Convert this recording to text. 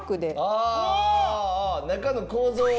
ああ中の構造を？